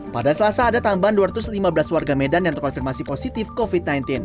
pada selasa ada tambahan dua ratus lima belas warga medan yang terkonfirmasi positif covid sembilan belas